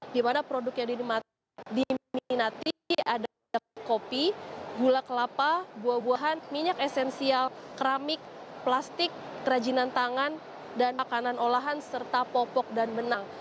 di mana produk yang diminati ada kopi gula kelapa buah buahan minyak esensial keramik plastik kerajinan tangan dan makanan olahan serta popok dan benang